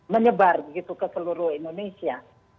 menyebar begitu ke seluruh indonesia